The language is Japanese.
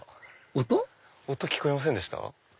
音？音聞こえませんでした？